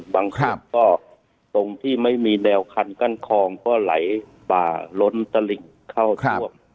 บางคนก็ตรงที่ไม่มีแนวคันกั้นคองก็ไหลป่าล้นตระหลิงเข้าทั่ว